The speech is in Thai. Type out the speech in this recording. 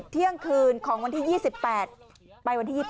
เที่ยงคืนของวันที่๒๘ไปวันที่๒๘